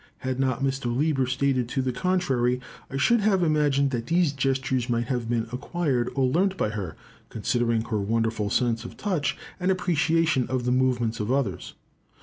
Had not Mr. Lieber stated to the contrary, I should have imagined that these gestures might have been acquired or learnt by her, considering her wonderful sense of touch and appreciation of the movements of others.